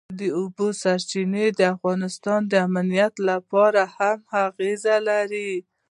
د اوبو سرچینې د افغانستان د امنیت په اړه هم اغېز لري.